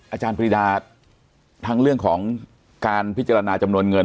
อาจารย์ปรีดาทั้งเรื่องของการพิจารณาจำนวนเงิน